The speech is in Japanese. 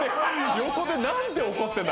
「横で何で怒ってんだ？